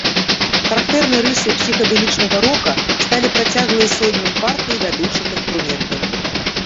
Характэрнай рысай псіхадэлічнага рока сталі працяглыя сольныя партыі вядучых інструментаў.